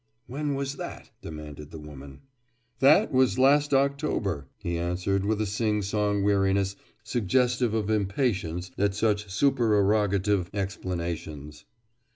"When was that?" demanded the woman. "That was last October," he answered with a sing song weariness suggestive of impatience at such supererogative explanations.